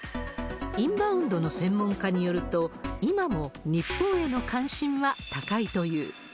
インバウンドの専門家によると、今も日本への関心は高いという。